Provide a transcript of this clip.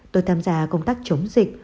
tôi tham gia công tác chống dịch